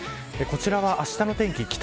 こちらは、あしたの天気